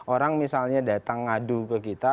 orang misalnya datang ngadu ke kita